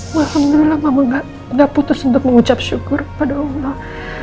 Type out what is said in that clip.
ya alhamdulillah mama nggak nggak putus untuk mengucap syukur pada allah